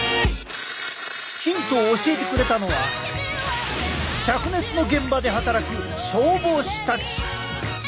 ヒントを教えてくれたのは灼熱の現場で働く消防士たち！